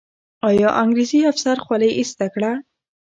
آیا انګریزي افسر خولۍ ایسته کړه؟